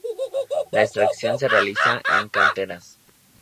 La extracción se realiza en canteras.